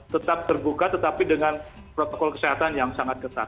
tetap terbuka tetapi dengan protokol kesehatan yang sangat ketat